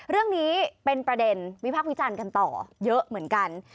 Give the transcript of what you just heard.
เรื่องนี้เป็นประเด็นวิพากษ์วิจารณ์กันต่อเยอะเหมือนกัน